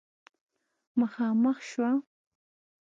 مخامخ شوه